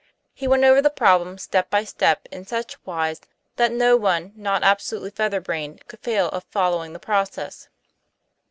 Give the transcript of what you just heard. He went over the problem step by step in such wise that no one not absolutely feather brained could fail of following the process.